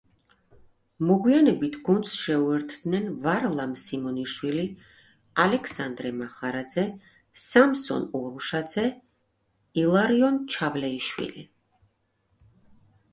მოგვიანებით გუნდს შეუერთდნენ ვარლამ სიმონიშვილი, ალექსანდრე მახარაძე, სამსონ ურუშაძე, ილარიონ ჩავლეიშვილი.